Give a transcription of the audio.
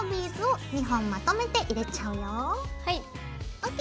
ＯＫ！